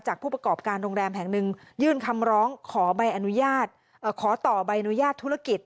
จากผู้ประกอบการโรงแรมแห่งหนึ่งยื่นคำร้องขอต่อใบอนุญาตธุรกิจ